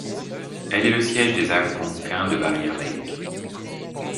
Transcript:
Elle est le siège des Algonquins de Barriere Lake.